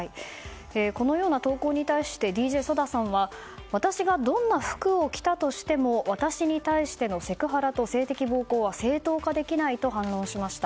このような投稿に対してＤＪＳＯＤＡさんは私がどんな服を着たとしても私に対してのセクハラと性的暴行は正当化できないと反論しました。